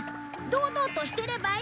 堂々としていればいい。